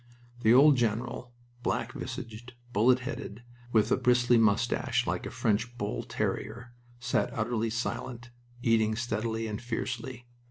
The old general, black visaged, bullet headed, with a bristly mustache like a French bull terrier, sat utterly silent, eating steadily and fiercely.